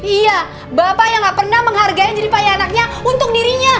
iya bapak yang gak pernah menghargai jeripaya anaknya untuk dirinya